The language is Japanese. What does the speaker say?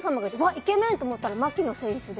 イケメンと思ったら槙野選手で。